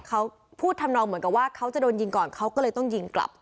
เขาพูดทำนองเหมือนกับว่าเขาจะโดนยิงก่อนเขาก็เลยต้องยิงกลับ